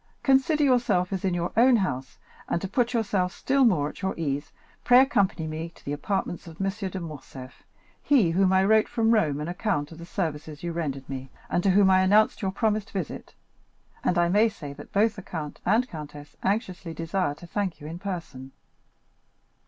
Consider yourself as in your own house, and to put yourself still more at your ease, pray accompany me to the apartments of M. de Morcerf, he whom I wrote from Rome an account of the services you rendered me, and to whom I announced your promised visit, and I may say that both the count and countess anxiously desire to thank you in person.